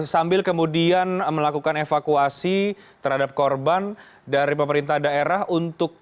sambil kemudian melakukan evakuasi terhadap korban dari pemerintah daerah untuk